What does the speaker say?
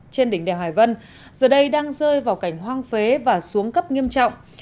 trên đỉnh đèo hải vân giờ đây đang rơi vào cảnh hoang phế và xuống cấp nghiêm trọng